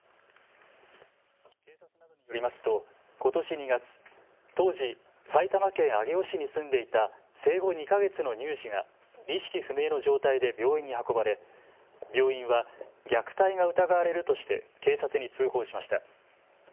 警察などによりますとことし２月、当時、埼玉県上尾市に住んでいた生後２か月の乳児が意識不明の状態で病院に運ばれ病院は虐待が疑われるとして警察に通報しました。